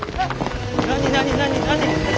何何何何？